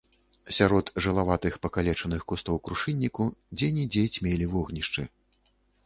Сярод жылаватых пакалечаных кустоў крушынніку дзе-нідзе цьмелі вогнішчы.